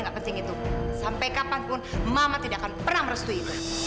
gak penting itu sampai kapanpun mama tidak akan pernah merestui itu